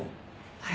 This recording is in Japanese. はい。